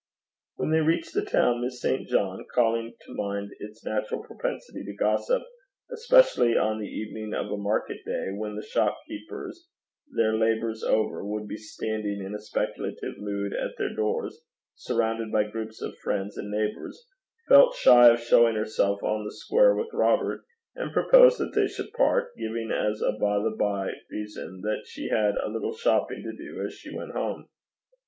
When they reached the town, Miss St. John, calling to mind its natural propensity to gossip, especially on the evening of a market day, when the shopkeepers, their labours over, would be standing in a speculative mood at their doors, surrounded by groups of friends and neighbours, felt shy of showing herself on the square with Robert, and proposed that they should part, giving as a by the bye reason that she had a little shopping to do as she went home.